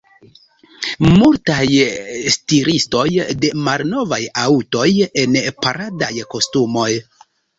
Multaj stiristoj de malnovaj aŭtoj en paradaj kostumoj.